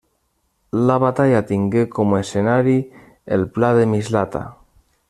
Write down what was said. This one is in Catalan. La batalla tingué com escenari el pla de Mislata.